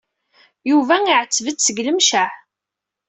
Yuba iɛetteb-d seg Lemceɛ.